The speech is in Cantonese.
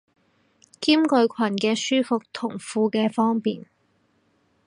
兼具裙嘅舒服同褲嘅方便